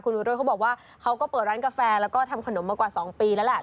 คุณวิโรธเขาบอกว่าเขาก็เปิดร้านกาแฟแล้วก็ทำขนมมากว่า๒ปีแล้วแหละ